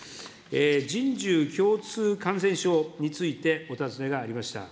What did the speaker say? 人獣共通感染症についてお尋ねがありました。